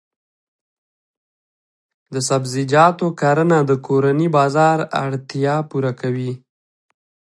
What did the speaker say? د سبزیجاتو کرنه د کورني بازار اړتیا پوره کوي.